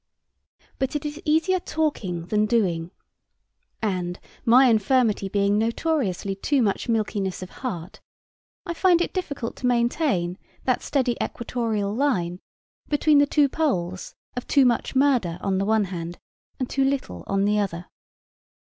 But it is easier talking than doing; and, my infirmity being notoriously too much milkiness of heart, I find it difficult to maintain that steady equatorial line between the two poles of too much murder on the one hand, and too little on the other.